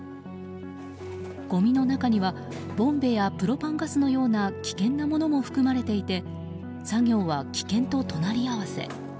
ごみの中にはボンベやプロパンガスのような危険なものも含まれていて作業は危険と隣り合わせ。